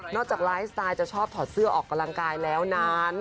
จากไลฟ์สไตล์จะชอบถอดเสื้อออกกำลังกายแล้วนั้น